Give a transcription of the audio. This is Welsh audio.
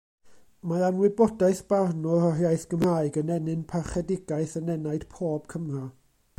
Mae anwybodaeth barnwyr o'r iaith Gymraeg yn ennyn parchedigaeth yn enaid pob Cymro.